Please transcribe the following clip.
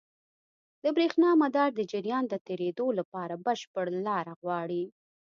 د برېښنا مدار د جریان د تېرېدو لپاره بشپړ لاره غواړي.